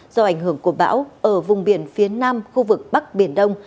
do ảnh hưởng của bão ở vùng biển phía nam khu vực bắc biển đông